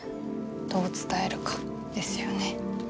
どう伝えるかですよね。